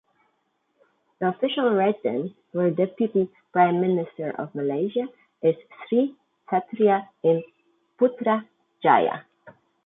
The official residence for Deputy Prime Minister of Malaysia is Sri Satria in Putrajaya.